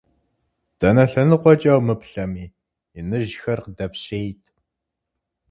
Дэнэ лъэныкъуэкӏэ умыплъэми, иныжьхэр къыдэпщейт.